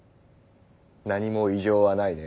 何も異常はないね。